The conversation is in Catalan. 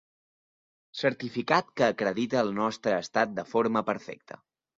Certificat que acredita el nostre estat de forma perfecte.